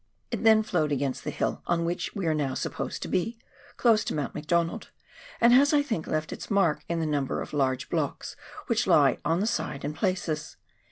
It then flowed against the hill on which we are now supposed to be — close to Mount McDonald — and has, I think, left its mark in the number of large blocks which lie on the side in places.